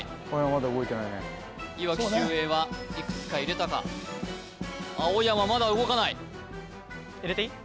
まだ動いてないねいわき秀英はいくつか入れたか青山まだ動かない入れていい？